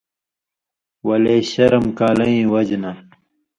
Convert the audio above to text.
ولے شرم کالَیں وجہۡ نہ